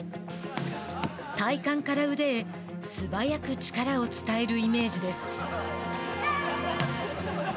体幹から腕へ素早く力を伝えるイメージです。